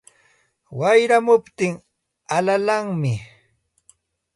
Wayramuptin alalanmi